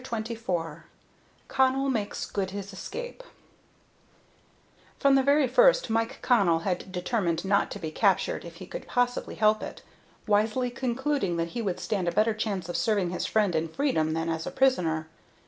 CHAPTER XXIV CONNELL MAKES GOOD HIS ESCAPE From the very first Mike Connell had determined not to be captured, if he could possibly help it, wisely concluding that he would stand a better chance of serving his friend in freedom than as a prisoner.